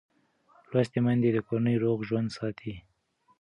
لوستې میندې د کورنۍ روغ ژوند ساتي.